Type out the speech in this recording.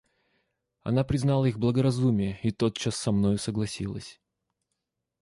Она признала их благоразумие и тотчас со мною согласилась.